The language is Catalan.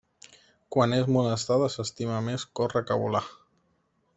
Quan és molestada s'estima més córrer que volar.